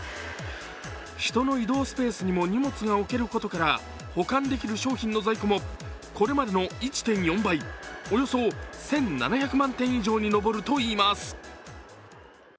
人の移動スペースにも荷物が置けることから保管できる商品の在庫もこれまでの１．４倍、およそ１７００万点以上にのぼるといいます。